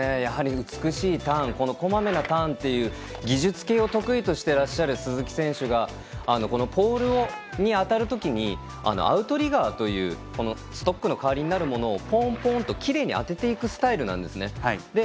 美しいターンこまめなターンという技術系を得意としていらっしゃる鈴木選手がポールに当たるときアウトリガーというストックの代わりになるものをきれいに当てていくスタイルなんですね。